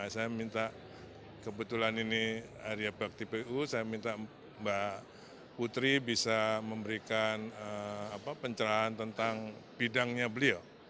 saya minta kebetulan ini haria bakti pu saya minta mbak putri bisa memberikan pencerahan tentang bidangnya beliau